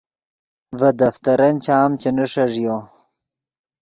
ڤے دفترن چام چے نیݰݱیو